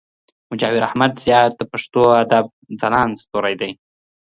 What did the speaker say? مجاور احمد زیار د پښتو ادب ځلانده ستوری دئ.